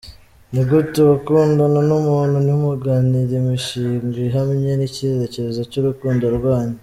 Ni gute wakundana n’umuntu ntimugirane imishinga ihamye n’icyerekezo cy’urukundo rwanyu?.